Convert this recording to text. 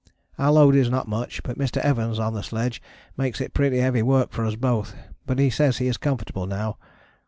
Our load is not much, but Mr. Evans on the sledge makes it pretty heavy work for us both, but he says he is comfortable now.